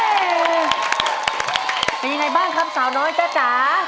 เป็นยังไงบ้างครับสาวน้อยจ๊ะจ๋า